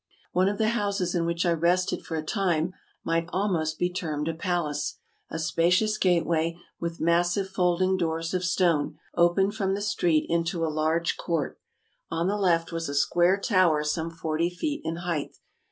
One of the houses in which I rested for a time might almost be termed a palace. A spacious gateway, with massive folding doors of stone, opened from the street into a large court. On the left was a square tower some forty feet in height.